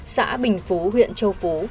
xã bình phú huyện châu phú